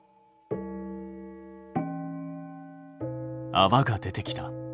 あわが出てきた。